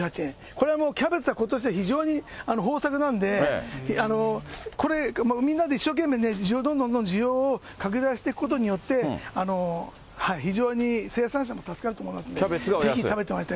これはもうキャベツはことしは非常に豊作なんで、これ、みんなで一生懸命、どんどんどんどん需要を拡大していくことによって、非常に生産者も助かると思いますんで、ぜひ食べてください。